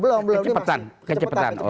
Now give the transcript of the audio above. oh belum kecepatan